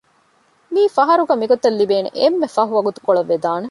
މީއީ ފަހަރުގަ މިގޮތަށް ލިބޭނެ އެންމެ ފަހު ވަގުތުކޮޅަށް ވެދާނެ